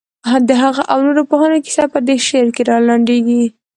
د هغه او نورو پوهانو کیسه په دې شعر کې رالنډېږي.